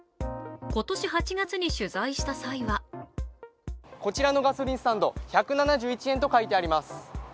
今年８月に取材した際はこちらのガソリンスタンド、１７１円と書いてあります。